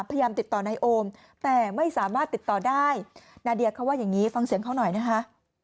พยายามติดต่อนายโอมแต่ไม่สามารถติดต่อได้นาเดียเขาว่าอย่างนี้ฟังเสียงเขาหน่อยนะคะ